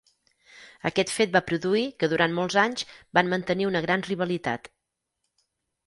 Aquest fet va produir que durant molts anys van mantenir una gran rivalitat.